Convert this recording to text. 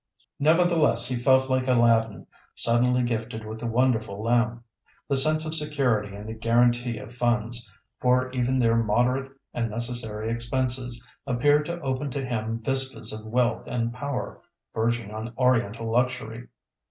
Nevertheless, he felt like Aladdin, suddenly gifted with the wonderful lamp. The sense of security and the guarantee of funds, for even their moderate and necessary expenses, appeared to open to him vistas of wealth and power verging on Oriental luxury.